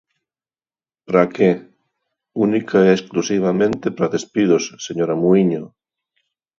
¿Para que? Única e exclusivamente para despidos, señora Muíño.